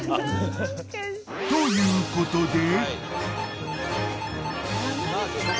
［ということで］